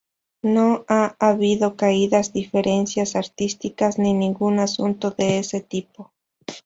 No ha habido caídas, diferencias artísticas ni ningún asunto de ese tipo.